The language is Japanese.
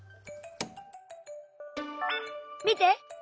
見て！